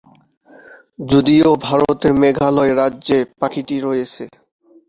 যদিও ভারতের মেঘালয় রাজ্যে পাখিটি রয়েছে।